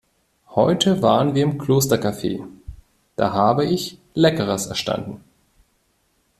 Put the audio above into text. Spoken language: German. Heute waren wir im Klostercafe, da habe ich Leckeres erstanden.